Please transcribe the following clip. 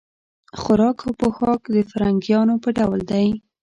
خوراک او پوښاک د فرنګیانو په ډول دی.